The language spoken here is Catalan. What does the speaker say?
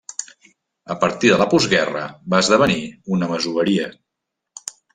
A partir de la postguerra va esdevenir una masoveria.